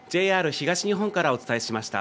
ＪＲ東日本からお伝えしました。